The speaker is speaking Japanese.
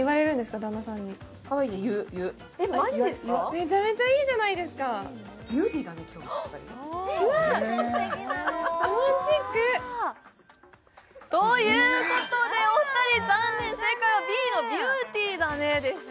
めちゃめちゃいいじゃないですか今日とか言うということでお二人残念正解はＢのビューティーだねでした